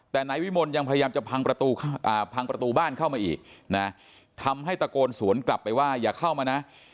แต่นายวิมลยังพยายามจะพังประตูบ้านเข้ามาอีกนะทำให้ตะโกนสวนกลับไปว่าอย่าเข้ามานะ